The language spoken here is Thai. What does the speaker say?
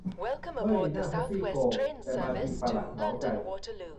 เฮ้ย นั่งแท็กซี่ โกง ! แต่มาจิงป่ะล่ะ เหงาใจ :'